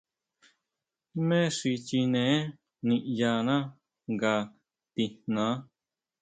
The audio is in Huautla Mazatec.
Jmé xi chineé niʼyaná nga tijnaá.